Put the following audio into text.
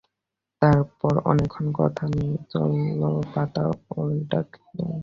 তারপর অনেকক্ষন কথা নেই, চলল পাতা ওলটানো।